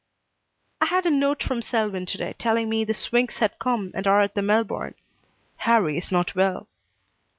I had a note from Selwyn to day telling me the Swinks had come and are at the Melbourne. Harrie is not well.